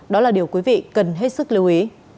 đó là điều quý vị cần hết sức lưu ý